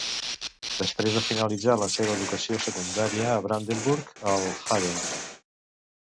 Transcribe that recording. Després de finalitzat la seva educació secundària a Brandenburg al Havel.